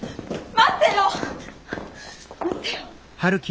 待ってよ。